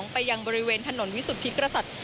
ไปยังบริเวณถนนวิสุทธิกษัตริย์